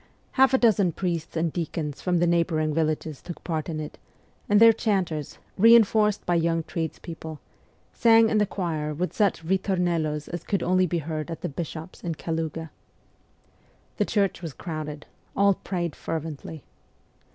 Half a dozen priests and deacons from the neighbouring villages took part in it, and their chanters, reinforced by young tradespeople, sang in the choir with such ritornellos as could only be heard at the bishop's in Kaluga. The church was crowded ; all prayed fervently.